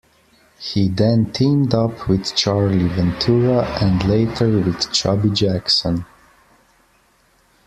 He then teamed up with Charlie Ventura and later with Chubby Jackson.